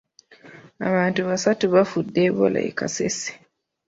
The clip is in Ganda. Abantu basatu bafudde Ebola e Kasese.